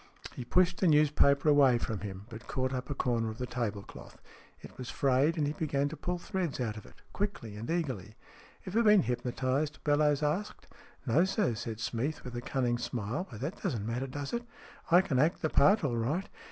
He pushed the newspaper away from him, but caught up a corner of the tablecloth. It was frayed, and he began to pull threads out of it, quickly and eagerly. " Ever been hypnotized ?" Bellowes asked. "No, sir," said Smeath, with a cunning smile. " But that doesn't matter, does it ? I can act the part all right."